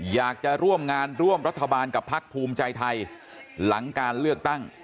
อยากจะร่วมงานร่วมรัฐบาลกับพักภูมิใจไทยหลังการเลือกตั้ง